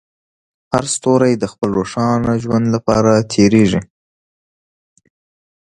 هر ستوری د خپل روښانه ژوند لپاره تېرېږي.